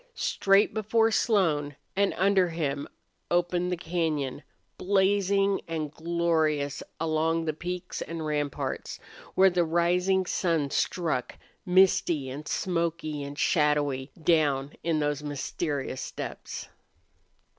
Straight before Slone and under him opened the cañon, blazing and glorious along the peaks and ramparts, where the rising sun struck, misty and smoky and shadowy down in those mysterious depths.